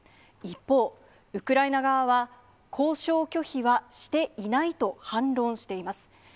一方、ウクライナ側は交渉拒否はしていないと、反論しています。